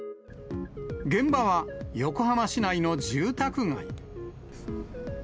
現場は横浜市内の住宅街。